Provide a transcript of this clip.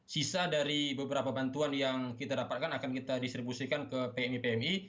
sisa dari beberapa bantuan yang kita dapatkan akan kita distribusikan ke pmi pmi